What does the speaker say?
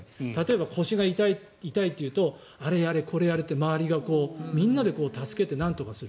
例えば、腰が痛いというとあれやれ、これやれと周りがみんなで助けてなんとかする。